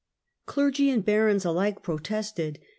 Clergy and barons alike protested.